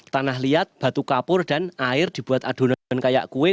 tanah liat batu kapur dan air dibuat adonan kayak kue